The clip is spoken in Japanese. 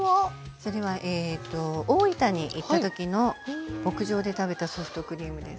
それは大分に行った時の牧場で食べたソフトクリームです。